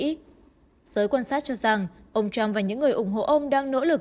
trong giới quan sát cho rằng ông trump và những người ủng hộ ông đang nỗ lực